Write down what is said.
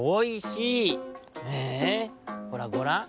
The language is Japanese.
へえほらごらん。